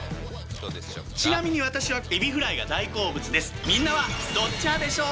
ちなみに私はエビフライが大好物です。